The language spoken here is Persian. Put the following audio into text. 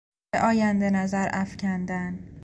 به آینده نظر افکندن